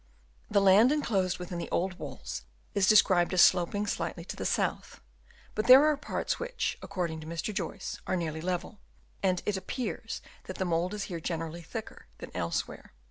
The land enclosed within the old walls is described as sloping slightly to the south ; but there are parts which, accord ing to Mr. Joyce, are nearly level, and it appears that the mould is here generally thicker than elsewhere.